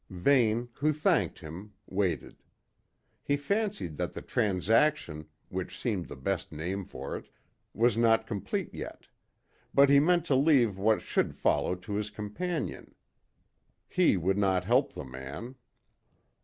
Vane, who thanked him, waited. He fancied that the transaction, which seemed the best name for it, was not complete yet; but he meant to leave what should follow to his companion. He would not help the man.